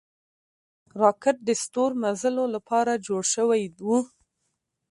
راکټ د ستورمزلو له پاره جوړ شوی و